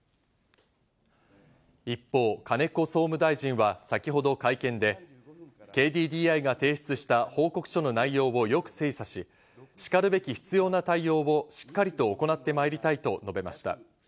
一方、金子総務大臣は先ほど会見で、ＫＤＤＩが提出した報告書の内容をよく精査し、しかるべき必要な対応をしっかりと行ってまいりたいと述べました。